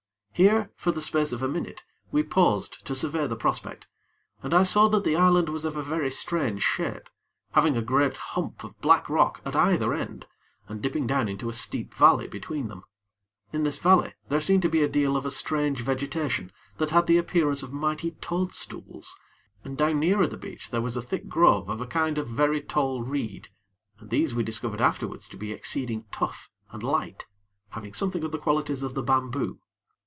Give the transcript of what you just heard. Here, for the space of a minute, we paused to survey the prospect, and I saw that the island was of a very strange shape, having a great hump of black rock at either end, and dipping down into a steep valley between them. In this valley there seemed to be a deal of a strange vegetation that had the appearance of mighty toadstools; and down nearer the beach there was a thick grove of a kind of very tall reed, and these we discovered afterwards to be exceeding tough and light, having something of the qualities of the bamboo.